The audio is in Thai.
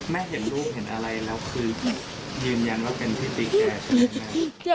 เห็นรูปเห็นอะไรแล้วคือยืนยันว่าเป็นพี่ติ๊กแกใช่ไหม